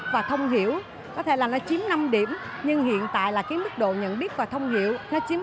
với tổng diện tích là bốn trăm chín mươi bảy trăm sáu mươi năm m hai